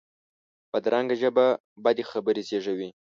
بدرنګه ژبه بدې خبرې زېږوي